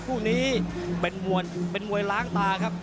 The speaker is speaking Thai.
คู่นี้เป็นมวลเป็นมวยล้างตาครับ